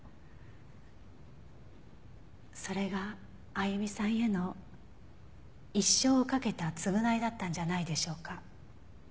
それがあゆみさんへの一生をかけた償いだったんじゃないでしょうか。